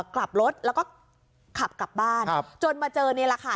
กลับรถแล้วก็ขับกลับบ้านจนมาเจอนี่แหละค่ะ